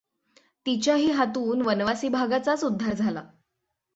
तिच्याही हातून वनवासी भागाचाच उद्धार झाला.